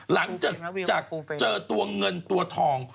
หลังจากเจอตัวเงินตัวทอง